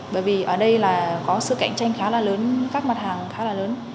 bởi vì ở đây là có sự cạnh tranh khá là lớn các mặt hàng khá là lớn